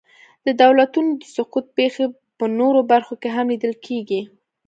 د دولتونو د سقوط پېښې په نورو برخو کې هم لیدل کېږي.